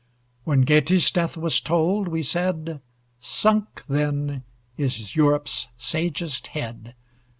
When Goethe's death was told, we said, Sunk, then, is Europe's sagest head.